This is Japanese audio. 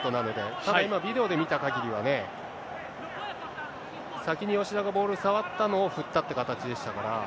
ただ、今ビデオで見たかぎりではね、先に吉田がボール触ったのを振ったって形でしたから。